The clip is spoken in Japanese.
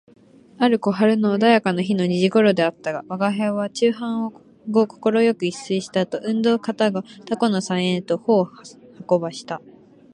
ある小春の穏やかな日の二時頃であったが、吾輩は昼飯後快く一睡した後、運動かたがたこの茶園へと歩を運ばした